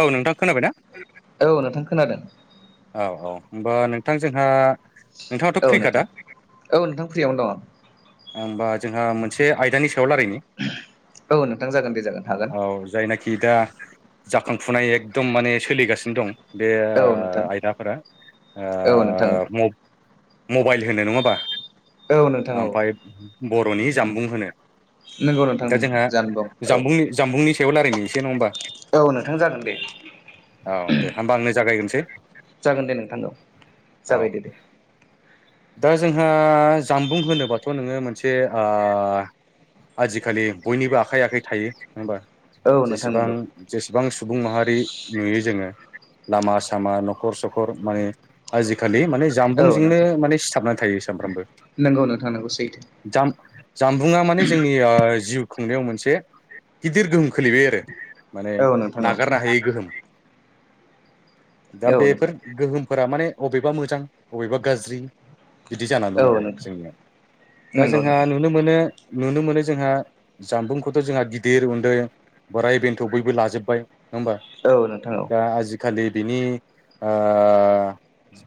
औ नोंथां। खोनाबायना औ नोंथां खोनादों। औ औ होमबा नोंथां जोंहा नोंथाङाथ' औ फ्रिखादा नोंथां। औ नोंथां फ्रियावनो दङ। ओमबा जोंहा मोनसे आयदानि सायाव लारायनि। औ नोंथां जागोन दे जागोन हागोन औ जायना खि दा जाखांफुनाय एकदम माने सोलिगासिनो दं बे औ नोंथां ओ आइ ख्लाफोरा ओ औ नोंथां औ म मबाइल होनो। नङा बा? औ नोंथां औ आमफाय बर'नि जामबुं होनो। नंगौ नोंथां दा जोंहा जानो दं औ जामबुंनि जामबुंनि सायाव लारायनि एसे। नङा होमबा? औ नोंथां जागोन दे औ दे होमबा आंनो जागाय गोनस जागोन दे नोंथां औ। औ जागायदो दे। दा जोंहा जामबुं होनोबाथ' नोङो मोनसे आ आजिखालि बयनिबो आखाइ आखाइ थायो। नङा बा? औ नोंथां जेसेबां नंगौ जेसेबां सुबुं माहारि नुयो जोङो लामा सामा न' खर सखर माने आजिखालि माने जामबुंजोंनो माने सिथाबनान थायो सामफ्रामबो। नोंगौ नोथां नोंगौ सैथो। जानबुंङा माने जोंनि ओ जिउ खुंनायाव मोनसे गिदिर गोहोम खोलैबाय आरो माने औ नोंथां औ नागारनो हायै गोहोम। दा औ बेफोर नोंथां गोहोमफोरा माने अबेबा मोजां अबेबा गाज्रि बिदि जानान औ दं आरो नोंथां जोंनियाव। दा नंगौ जोंहा नोंथां नुनो मोनो नुनो मोनो जोंहा जामबुंखौथ' जोंहा गिदिर उन्दै, बोराइ बेन्थ' बयबो लाजोब्बाय। नङा होमबा? औ नोंथां औ दा आजिखालि बिनि आ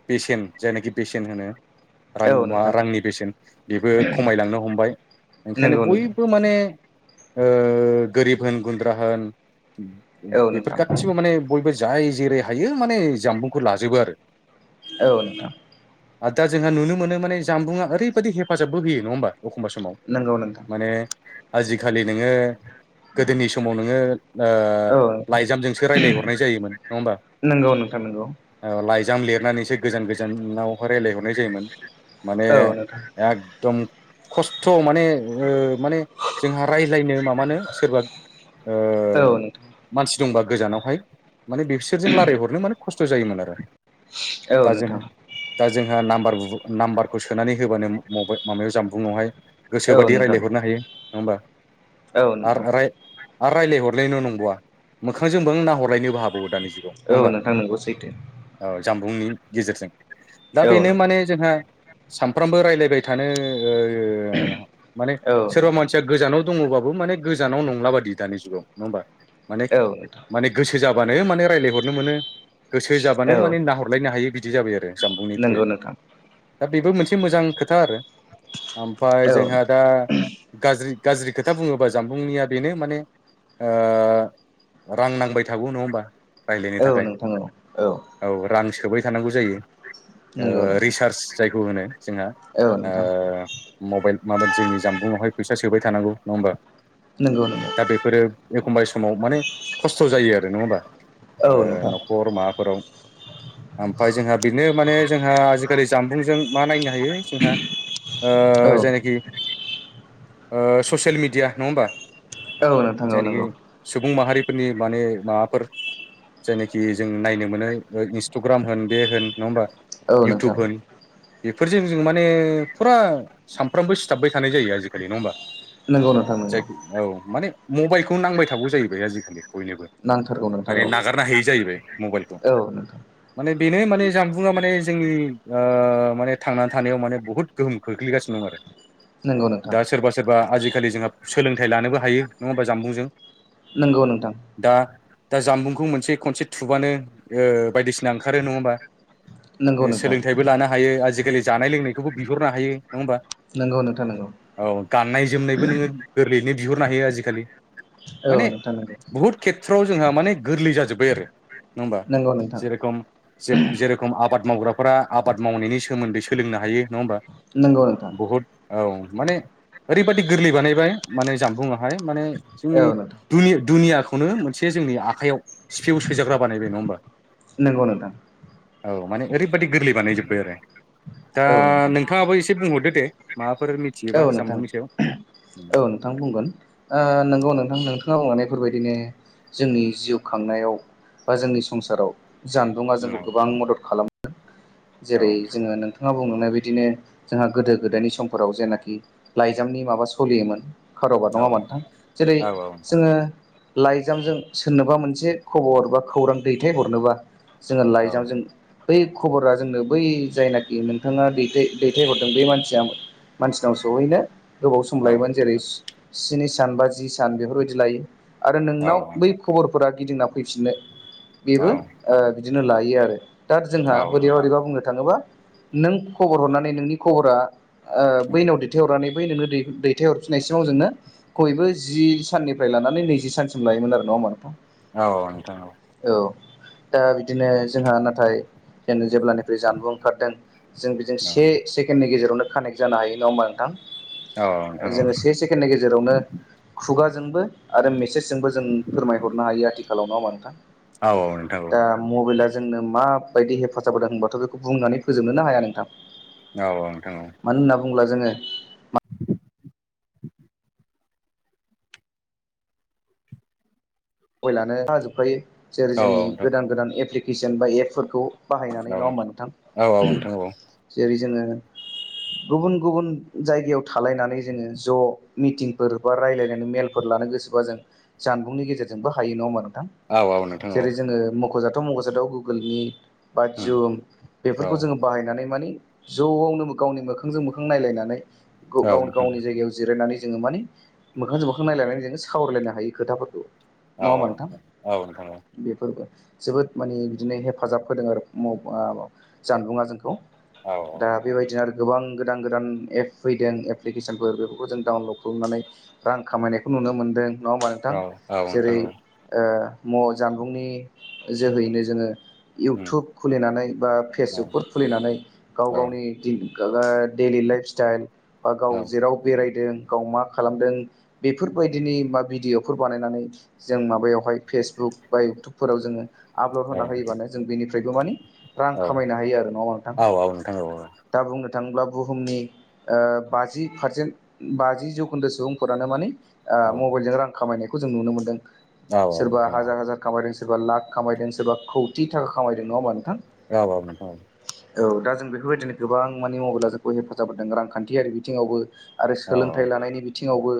बेसेन जायनाखि बेसेन होनो रां औ मा नोंथां रांनि बेसेन बेबो खमायलांनो हमबाय। ओंखायनो नंगौ नोंथां बयबो माने ओ गोरिब होन गुन्द्रा होन औ बेफोर नोंथां गासिबो माने बयबो जाय जेरै हायो माने जामबुंखौ लाजोबो आरो। औ नोंथां। आद दा जोंहा नुनो मोनो माने जामबुङा ओरैबायदि हेफाजाबबो होयो। नङा होमबा? अखमबा समाव। नंगौ नोंथां माने आजिखालि नोङो गोदोनि समाव नोङो ओ औ नोंथां लाइजामजोंसो रायलायहरनाय जायोमोन। नङा होमबा? नंगौ नोंथां नंगौ ओ लाइ जाम लिरनानैसो गोजान गोजानावहाय लायराय हरनाय जायोमोन। नाबे औ नोंथां एकदम खस्थ' माने ओ माने जोंहा रायलायनो माबानो सोरबा औ नोंथां। जोंबा गोजानावहाय माने बिसोरजों लारायहरनो माने खस्थ' जायोमोन आरो। औ दा जोंहा नोंथां। दा जोंहा नाम्बार बु नाम्बारखौ सोनानै होबानो मबाय माबायाव जानबुङावहाय गोसो औ बादि नोंथां रायलायहरनो हायो। नङा होमबा? औ नोंथां। आर रायलाय हरलायल' नंबावा मोखांजों [unintelligible] नाहरलायनोबो हाबावो दानि जु औ नोंथां नोंगौ सैथो। जामबुंनि गेजेरजों दा औ बेनो नोंथां माने जोंहा सानफ्रामबो राय्लायबाय थानो माने औ सोरबा नोंथां मानसिया गोजानाव दङ बाबो माने गोजानाव नंला बायदि दानि जुगाव नङा होमबा औ नोंथां माने गो गोसो जाबानो माने रायज्लायहरनो मोनो गोसो जाबानो औ माने नाहरलायनो हायो बिदि जाबाय आरो जामबुंनि थ्रुयै नंगौ नोंथां दा बेबो मोनसे मोजां खोथा आरो ओमफाय औ जोंहा दा गाज्रि गाज्रि खोथा बुङोबा जामबुंनिया बेनो माने ओ रां नांबाय थागौ नङा होमबा रायलायनो औ थाखाय नोंथां औ औ रां सोबाय थानांगौ जायो नंगौ ओ नोंथां रिसार्ज जायखौ होनो जोंहा औ ओ नोंथां मबाइल माबा जोंनि जानबुंआवहाय फैसा सोबाय थानांगौ नङा होमबा नंगौ नंगौ दा बेफोरो एखमबा समाव माने खस्थ' जायो आरो नङा होमबा ओ औ नोंथां न'खर माबाफोराव ओमफ्राय जोंहा बिनो माने जोंहा आजिखालि जामबुंजों मा नायनो हायो जोंहा ओ औ जायनाखि ससियेल मिडिया नङा होमबा औ नोंथां औ जायनाखि नंगौ सुबुं माहारिफोरनि माने माबाफोर जेने खि जों नायनो मोनो इन्सटग्राम होन बे होन नङा होमबा औ इउटुब नोंथां होन बेफोरजों जों माने फुरा सानफ्रामबो सिथाबबाय थानाय जायो आजिखालि नङा होमबा नंगौ नोंथां नंगौ जायखौ औ माने मबाइलखौ नांबाय थाबौ जाहैबाय आजिखालि बयनोबो नांथारगौ नोंथां माने औ नागारनो हायि जाहैबाय मबाइलखौ औ नोंथां बेनो माने जानबुङा माने जोंनि माने थांनानै थानायाव माने बुहुत गोहोम खोख्लैगासिनो दं आरो नंगौ नोंथां दा सोरबा सोरबा आजिखालि जोंहा सोलोंथाइ लानोबो हायो नङा होमबा जामबुंजों नंगौ नोंथां दा दा जामबुंखौ मोनसे खनसे थुबानो बायदिसिना ओंखारो नङा होमबा नंगौ ओ नोंथां सोलोंथाइबो लानो हायो आजिखालि जानाय लोंनायखौबो बिहरनो हायो नङा हबा नंगौ नोंथां नंगौ औ गाननाय जोमनायबो नोङो गोरलैयैनो बिहरनो हायो आजिखालि औ नोंथां औ फ्राराव जोंहा माने गोरलै जाजोब्बाय आरो नङा होमबा नंगौ नंगौ नोंथां जेरेखम जे जेरेखम आबाद मावग्राफोरा आबाद मावनायनि सोमोन्दै सोलोंनो हायो नङा होमबा नंगौ नोंथां बहुत औ माने ओरैबायादि गोरलै बानायबाय माने जानबुंङाहाय माने जोंनि औ नोंथां दुनि दुनियाखौनो मोनसे जोंनि आखाइयाव सिफियाव सोजाग्रा बानायबाय नङा होमबा नंगौ नोंथां औ माने ओरैबायदि गोरलै बानायजोबबाय आरो दा औ नोंथां नोंथाङाबो एसे बुंहरदो दे माबा मिथियोबा औ नोंथां जानबुंनि सायाव औ नोंथां बुंगोन ओ नोंगौ नोंथां नोंथाङा बुंलांनायफोरबायदिनो जोंनि जिउ खांनायाव बा जोंनि संसाराव जानबुङा जोंखौ औ गोबां मदद खालामो जेरै औ जोङो नोंथाङा बुंना बिदिनो जोंहा गोदो गोदायनि समफोराव जेनाखि लाइजामनि माबा सोलियोमोन खारबार नङा होमबा नोंथां जेरै औ औ जोङो लाइजामजों सोरनोबा मोनसे खबर बा खौरां दैथायहरनोबा जोङो औ लाइजामजों बै खबरा जोंनो बै जायनाखि नोंथाङा दैथाय दैथायहरदों बे मानसिया मानसि सिगाङाव सहैनो गोबाव सम लायोमोन जेरै स्नि सान बा जि सान बेफोरबायदि लायो आरो औ नोंनाव बै खबरफोरा गिदिंना फैफिननो बेबो बिदिनो लायो आरो दा जोंहा औ औ बोरैबा बोरैबा बुंनो थाङोब्ला नों खबर हरनानै नोंनि खबरा औ बैनाव दैथहरनानै फ्राय नोङनो दै दैथाय हरफिननायसिमाव जोंङनो बयबो जि साननिफ्राय लानानै नैजि सानसिम लायोमोन आरो नामानफा औ औ नोंथां। दा बिदिनो जोंहा नाथाय जेन जेब्लानिफ्राय जानबुं ओंखारदों जों बिजों औ से नोंथां सेकेण्डनि गेजेरावनो कानेक्ट जानो हायो नङा होमबा नोंथां? औ औ नोंथां औ जोङो से सेकेणडनि गेजेरावनो खुगाजोंबो आरो मेसेजजोंबो जों फोरमायहरनो हायो आथिखालाव नङा होनबा नोंथां? औ औ नोंथां औ दा मबाइला जोंनो माबायदि हेफाजाब होदों होनबाथ' बेखौ बुंनानै फोजोबनोनो हाया नोंथां। औ औ नोंथां बुब्ला जोङो मबाइलानो जाजोबखायो जेरै औ औ जोंनि नोंथां गोदान गोदान एप्लिकेसन बा एपफोरखौ बाहायनानै औ नङा होमबा नोंथां औ नोंथां औ जेरै जोङो गुबुन गुबुन जायगायाव थालायनानै जोङो ज' मिटिंफोर बा रायजलायनानै मेलफोर लानो गोसोबा जों जानबुंनि गेजेरजों जोंबो हायो नङा हा नोंथां औ औ नोंथां औ नोंथां औ जेरै जोङो मख'जाथाव मख'जाथाव गुगोलनि बा जुम औ बेफोरखौ जोङो बाहायनानै मानि ज'आवनो गावनि मोखांजों मोखां नायलायनानै औ गावनो नोंथां गावनि जायगायाव जिरायनानै जोङो माने मोखांजों मोखां नायलायनानै जोङो सावरायलायनो हायो खोथाफोरखौ। औ नङा औ होमबा नोंथां औ नोंथां औ नोंथां औ नोंथां औ बेफोरबो जोबोद माने बिदिनो हेफाजाब होदों आरो जानबुंङा जोंखौ। औ दा बेबायदिनो आरो गोबां गोदान गोदान एप फैदों एप्लिकेसनफोर बेफोरखौ जों डाउनलड खालामनानै रां खामायनायखौ नुनो मोनदों। नङा होमबा नोंथां औ औ जेरै नोंथां औ ओ जानबुंनि जोहैनो जोङो औ इउटुब खुलिनानै बा नोंथां औ नोंथां फेसबुकफोर खुलिनानै गाव गावनि दिन डेलि लाइफ स्टाइल बा गाव जेराव बेरायदों गाव मा खालामदों बेफोरबायदिनि मा भिडिअफोर बानायनानै जों माबायावहाय फेसबुक बा इउटुबफोराव जोङो आपलड होना होयोबानो जों बेनिफ्रायबो मानि रां खामायनो हायो आरो नङा होमबा नोंथां दा बुंनो थाङोब्ला बुहुमनि ओ बाजि पारसेन्ट बाजि जौखोन्दो सुबुंफोरानो माने ओ मबाइलजों रां खामायनायखौ जों नुनो मोनदों सोरबा हाजार हाजार खामायदों। सोरबा लाख खामायदों सोरबा खौथि थाखा खामायदों नङा होमबा? नोंथां औ औ नोंथां औ औ दा जों बेफोरबायदिनो गोबां माने मबाइला जोंखौ हेफाजाब होदों रांखान्थियारि बिथिङावबो आरो सोलोंथाइ लानायनि बिथिङावबो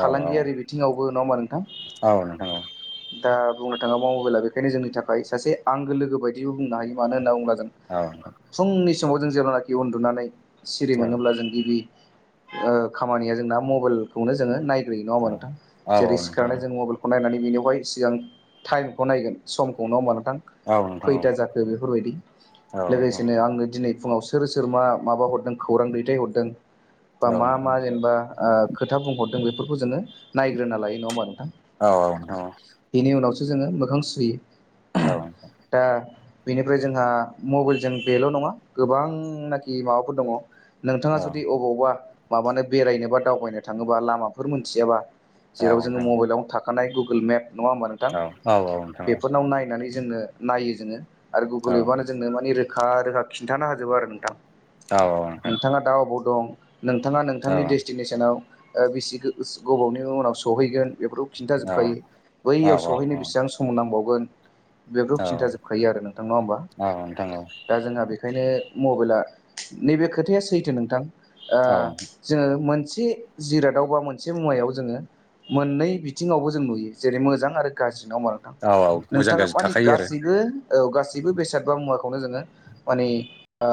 फालांगियारि बिथिङावबो नङा होमबा नोंथां? औ नोंथां औ दा बुंनो थाङोब्ला मबेला बेखायनो जोंनि थाखाय सासे आंगो लोगो बायदिबो बुंनो हायो मानो होनना बुङोब्ला फुंनि समाव जों जेब्लानाखि उन्दुनानै सिरि मोनोब्ला जों गिबि ओ खामानिया जोंना मबाइलखौनो जोङो नाय- ग्रोयो नङा होनबा नोंथां जेरै सिखारनानै जों मबाइलखौ नायनानै बेनियावहाय सिगां टाइम खौ नायगोन समखौ नङा होमबा? नोंथां खैथा जाखो बेफोरबायदि लोगोसेनो आंनो दिनै फुङाव सोर सोर मा माबा हरदों खौरां दैथाय हरदों बा मा मा जेनेबा ओ खोथा बुंहर- दों बेफोरखौ जोङो नायग्रोना लायो नङा होमबा नोंथां? औ औ नोंथां औ बेनि उनावसो जोङो मोखां सुयो। औ नोंथां दा बेनिफ्राय जोंहा मबाइलजों बेल' नङा गोबांनाखि माबाफोर दङ। नोंथाङा औ जुदि अबावबा माबानो बेरायनोबा दावबायनो थाङोबा लामाफोर मोनथियाबा औ जेराव जोङो नोंथां मबाइलावनो थाखानाय गुगोल मेप नङा होमबा नोंथां औ औ औ नोंथां बेफोरनाव नायनानै जोंनो नायो जोङो आरो औ गुगोल एपआनो जोंनो मानि रोखा रोखा खिन्थानो हाजोबो आरो नोंथां औ नोंथां नोंथाङा दा अबाव दं नोंथाङा औ नोंथांनि डेस्टिनेसनाव ओ बिसि गोबावनि उनाव सौहैगोन बे- खिन्थाजोबखायो औ बैयाव औ सहैनो बेसेबां सम नांबावगोन बेफोरखौ खिन्था जोबखायो आरो नोंथां नङा होमबा नोंथां दा जोंहा बे बेखायनो मबाइला नैबे खोथाया सैथो नोंथां ओ औ जोङो मोन- से जिरादाव बा मोनसे मुवायाव जोङो मोननै बि- थिंङावबो जों नुयो जेरै मोजां आरो गाज्रि नङा होमबा नोंथां औ मोजां नोंथाङा गाज्रि माने थाखायो आरो गासैबो औ गासैबो बेसाद बा मुवा खौनो जोङो माने ओ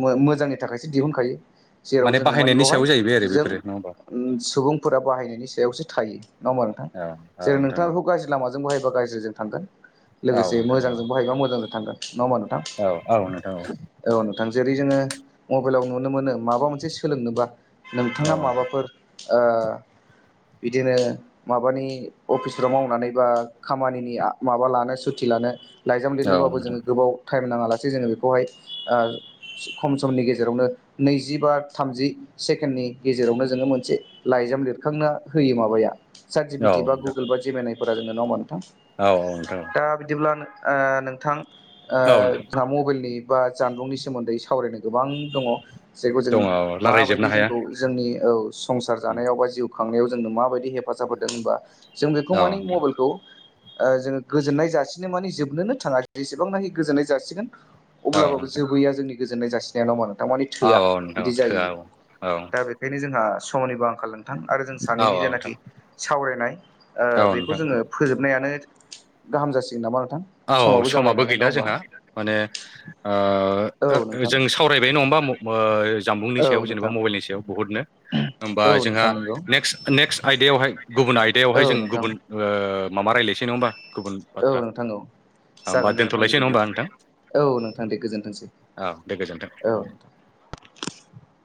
मो मोजांनि थाखायसो दिहुनखायो जेराव माने जोङो मानि बाहायनायनि बेवहाय सायाव जाहैबाय आरो जों बेफोरो नङा होमबा सुबुं फोरा बाहायनायनि सायावसो थायो नङा होमबा नोंथां औ औ जेरै नोंथां नोंथाङा बेखौ गाज्रि लामा जों बाहायबा गाज्रिजों थांगोन औ औ लोगोसे नोंथां औ मोजांजों बाहायबा मोजांजों थांगोन नङा होमबा नोंथां औ औ नोंथां औ औ नोंथां जेरै जोङो मबाइलाव नुनो मोनो माबा मोनसे सोलोंनोबा औ औ नोंथां औ नोंथां नोंथाङा औ माबाफोर ओ बिदिनो माबानि अफिसफ्राव मावनानै बा खामानिनि आ माबा लानो सुति लानो लाइजाम औ लिरनोबाबो नोंथां जोङो गोबाव टाइम नाङा लासे जोङो बेखौहाय ओ खम समनि गेजेरावनो नैजि बा थामजि सेकेणडनि गेजेरावनो जोङो मोनसे लाइजाम लिरखांना होयो माबाया साटजिभिटि बा गुगोल बा जेमेनायफोरा जोंना नङा होमब्ला नोंथां दा बिदिब्ला ओ नोंथां ओ औ नोंथां जोंहा मबाइलनि बा जानबुंनि सोमोन्दै सावरायनो गोबां दङ जायखौ जों दङ औ रायलायजोबनो माबायदि हाया जोंखौ जोंनि औ संसार जानायाव बा जिउ खांनायाव जोंनो माबायदि हेफाजाब होदों होनबा जों बेखौ औ मानिे नोंथां मबाइलखौ ओ जोङो गोजोननाय जासिनो माने जोबनोनो थाङा जेसेबांनाखि गोजोननाय जासिगोन औ अब्लाबो नोंथां जोबबोैया जोंनि गोजोन्नाय जासिनाया नङा होन थारमाने औ थोआ औ नोंथां बिदि थोआ जायो औ औ दा बेखायनो जोंहा समनिबो आंखाल नोंथां आरो जों औ सानैनि औ जेनाखि नोंथां सावरायनाय ओ औ बेखौ नोंथां जोङो फोजोबना यानो गाहाम जासिगोन नामा औ जाबाय समाबो नालाय नङा गैला होमबा जोंहा माने ओ औ नोंथां जों सावरायबाय नङाबा ओ जानबुंनि औ सायाव जेनेबा नोंथां मबाइलनि सायाव बुहुदनो होमबा औ जोंहा नोंथां नंगौ नेक्स नेक्स आयदायावहाय गु गुबुन औ आयदायावहाय जों नोंथां गुबुन ओ माबा रायज्लायसै नङा होनबा गुबुन औ बाथ्रा नोंथां औ होमबा जागोन दे नोंथां दोनथ'लायसै नङा बिदिब्ला होमबा नोंथां औ नोंथां दे गोजोनथोंसै औ दे औ गोजोन्थों नोंथां [inaudible]